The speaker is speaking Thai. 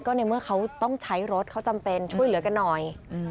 ในเมื่อเขาต้องใช้รถเขาจำเป็นช่วยเหลือกันหน่อย